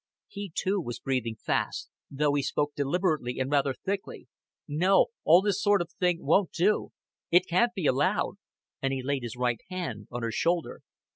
He too was breathing fast, though he spoke deliberately and rather thickly. "No, all this sort of thing won't do; it can't be allowed;" and he laid his right hand on her shoulder.